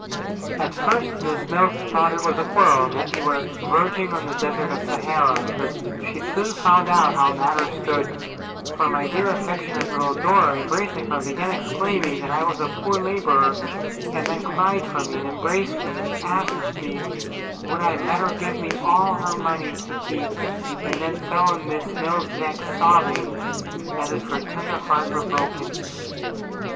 At first Miss Mills thought it was a quarrel, and that we were verging on the Desert of Sahara; but she soon found out how matters stood, for my dear affectionate little Dora, embracing her, began exclaiming that I was 'a poor labourer'; and then cried for me, and embraced me, and asked me would I let her give me all her money to keep, and then fell on Miss Mills's neck, sobbing as if her tender heart were broken.